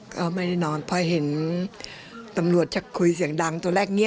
ก็ไม่ได้นอนเลยพอผมเห็นตำรวจกระทั่งคุยเสียงดัง